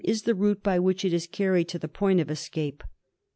is the route by which it is carried to the point of escape.